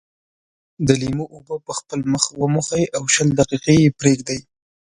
د لیمو اوبه په خپل مخ وموښئ او شل دقيقې یې پرېږدئ.